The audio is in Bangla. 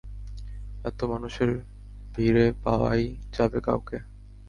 এতো মানুষের ভীড়ে, পাওয়াই যাবে কাউকে।